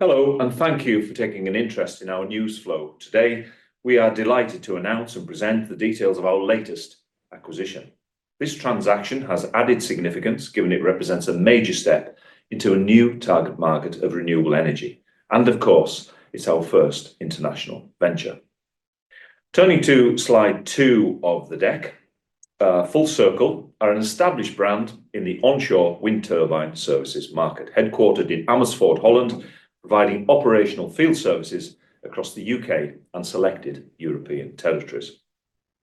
Hello, and thank you for taking an interest in our news flow. Today, we are delighted to announce and present the details of our latest acquisition. This transaction has added significance, given it represents a major step into a new target market of renewable energy, and of course, it's our first international venture. Turning to slide two of the deck, Full Circle are an established brand in the onshore wind turbine services market, headquartered in Amersfoort, Holland, providing operational field services across the U.K. and selected European territories.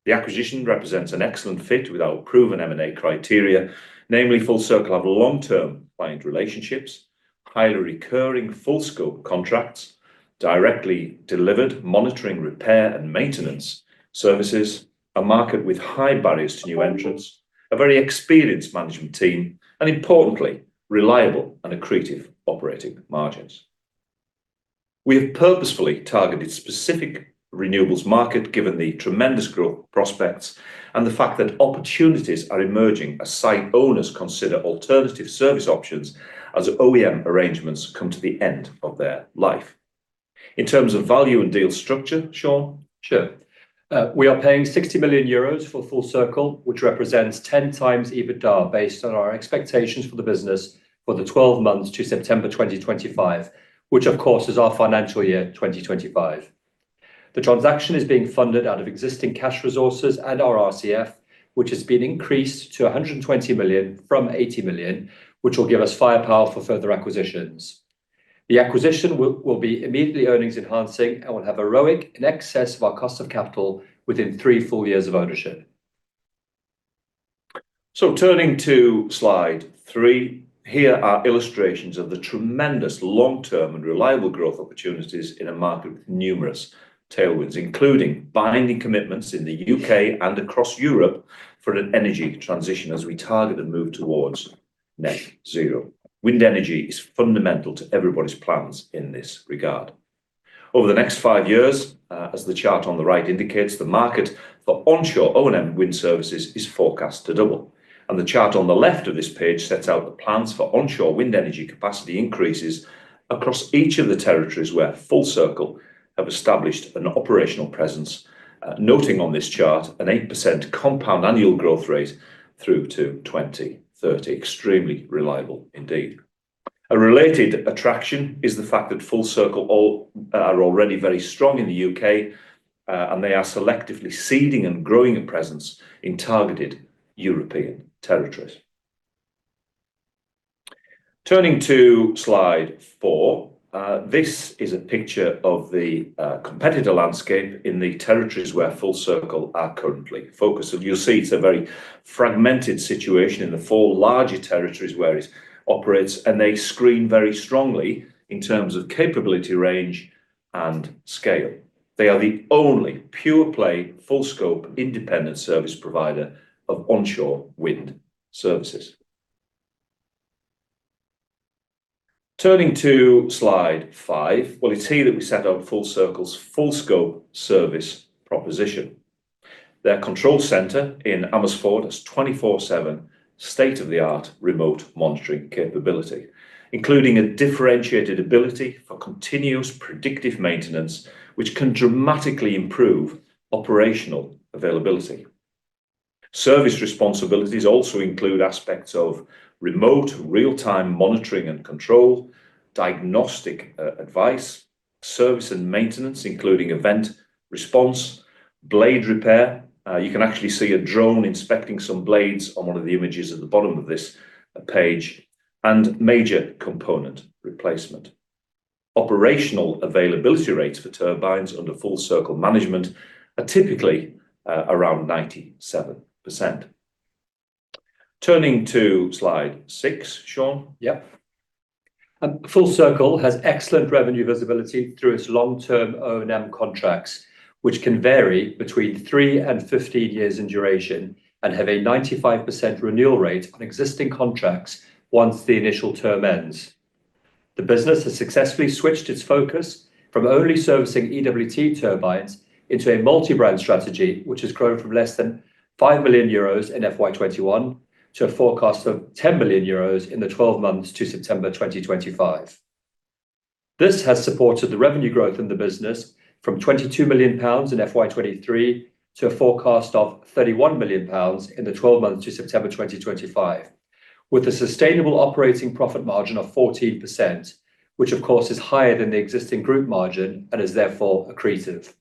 The acquisition represents an excellent fit with our proven M&A criteria, namely, Full Circle have long-term client relationships, highly recurring, full-scope contracts, directly delivered monitoring, repair, and maintenance services, a market with high barriers to new entrants, a very experienced management team, and importantly, reliable and accretive operating margins. We have purposefully targeted specific renewables market, given the tremendous growth prospects and the fact that opportunities are emerging as site owners consider alternative service options as OEM arrangements come to the end of their life. In terms of value and deal structure, Sean? Sure. We are paying 60 million euros for Full Circle, which represents 10x EBITDA, based on our expectations for the business for the 12 months to September 2025, which, of course, is our financial year 2025. The transaction is being funded out of existing cash resources and our RCF, which has been increased to 120 million from 80 million, which will give us firepower for further acquisitions. The acquisition will be immediately earnings enhancing and will have ROIC in excess of our cost of capital within three full years of ownership. Turning to slide 3, here are illustrations of the tremendous long-term and reliable growth opportunities in a market with numerous tailwinds, including binding commitments in the U.K. and across Europe for an energy transition, as we target and move towards net zero. Wind energy is fundamental to everybody's plans in this regard. Over the next five years, as the chart on the right indicates, the market for onshore O&M wind services is forecast to double, and the chart on the left of this page sets out the plans for onshore wind energy capacity increases across each of the territories where Full Circle have established an operational presence, noting on this chart an 8% compound annual growth rate through to 2030. Extremely reliable indeed. A related attraction is the fact that Full Circle are already very strong in the U.K., and they are selectively seeding and growing a presence in targeted European territories. Turning to slide 4, this is a picture of the competitor landscape in the territories where Full Circle are currently focused. So you'll see it's a very fragmented situation in the four larger territories where it operates, and they screen very strongly in terms of capability, range, and scale. They are the only pure-play, full-scope, independent service provider of onshore wind services. Turning to slide 5, well, it's here that we set out Full Circle's full-scope service proposition. Their control center in Amersfoort has 24/7 state-of-the-art remote monitoring capability, including a differentiated ability for continuous predictive maintenance, which can dramatically improve operational availability. Service responsibilities also include aspects of remote real-time monitoring and control, diagnostic, advice, service and maintenance, including event response, blade repair, you can actually see a drone inspecting some blades on one of the images at the bottom of this, page, and major component replacement. Operational availability rates for turbines under Full Circle management are typically, around 97%. Turning to slide six, Sean. Yep. Full Circle has excellent revenue visibility through its long-term O&M contracts, which can vary between three and 15 years in duration and have a 95% renewal rate on existing contracts once the initial term ends. The business has successfully switched its focus from only servicing EWT turbines into a multi-brand strategy, which has grown from less than 5 million euros in FY 2021 to a forecast of 10 million euros in the twelve months to September 2025. This has supported the revenue growth in the business from 22 million pounds in FY 2023 to a forecast of 31 million pounds in the twelve months to September 2025, with a sustainable operating profit margin of 14%, which, of course, is higher than the existing group margin and is therefore accretive.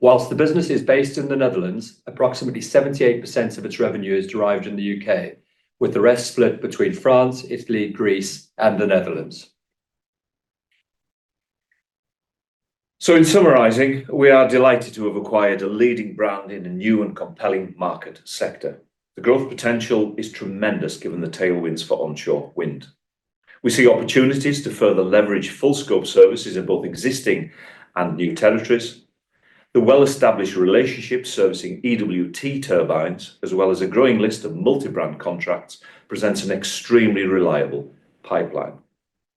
While the business is based in the Netherlands, approximately 78% of its revenue is derived in the U.K., with the rest split between France, Italy, Greece, and the Netherlands. In summarizing, we are delighted to have acquired a leading brand in a new and compelling market sector. The growth potential is tremendous, given the tailwinds for onshore wind. We see opportunities to further leverage full-scope services in both existing and new territories. The well-established relationship servicing EWT turbines, as well as a growing list of multi-brand contracts, presents an extremely reliable pipeline.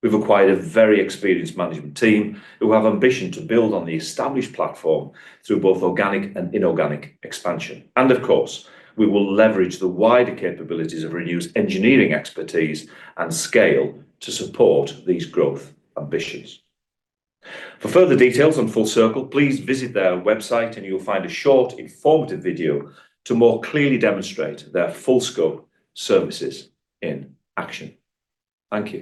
We've acquired a very experienced management team, who have ambition to build on the established platform through both organic and inorganic expansion, and of course, we will leverage the wider capabilities of Renew's engineering expertise and scale to support these growth ambitions. For further details on Full Circle, please visit their website, and you'll find a short, informative video to more clearly demonstrate their full-scope services in action. Thank you.